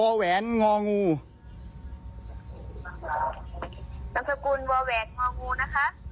นามสกุลวอแหวนงองูนะครับ